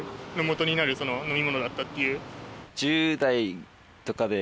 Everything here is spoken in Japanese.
元になる飲み物だったっていう。